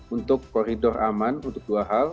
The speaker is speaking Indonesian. untuk koridor aman untuk dua hal